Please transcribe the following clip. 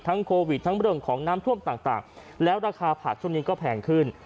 โควิดทั้งเรื่องของน้ำท่วมต่างแล้วราคาผักช่วงนี้ก็แพงขึ้น